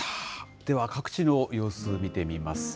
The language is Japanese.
では、各地の様子、見てみます。